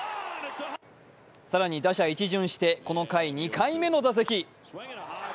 更に打者一巡してこの回２回目の打席。